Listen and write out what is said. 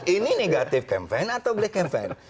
ini negatif campaign atau black campaign